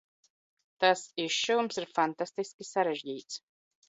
Tas izšuvums ir fantastiski sarežģīts.